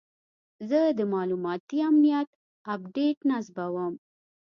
زه د معلوماتي امنیت اپډیټ نصبوم.